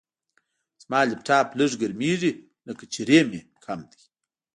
زما لپټاپ لږ ګرمېږي، لکه چې ریم یې کم دی.